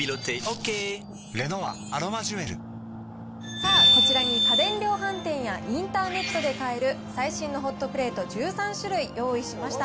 さあ、こちらに家電量販店やインターネットで買える、最新のホットプレート１３種類、用意しました。